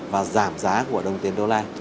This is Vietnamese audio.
và giảm giá của đồng tiền đô la